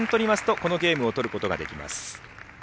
このゲームを取ることができます。